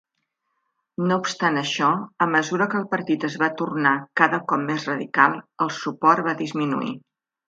No obstant això, a mesura que el partit es va tornar cada cop més radical, el suport va disminuir.